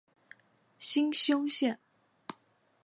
新兴线